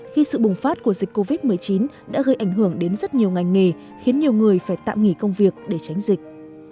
khi sự bùng phát của dịch covid một mươi chín đã gây ảnh hưởng đến rất nhiều ngành nghề khiến nhiều người phải tạm nghỉ công việc để tránh dịch